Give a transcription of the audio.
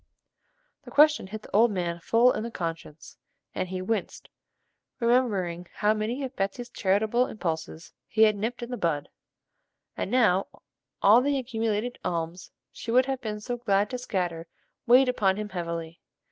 The question hit the old man full in the conscience, and he winced, remembering how many of Betsey's charitable impulses he had nipped in the bud, and now all the accumulated alms she would have been so glad to scatter weighed upon him heavily.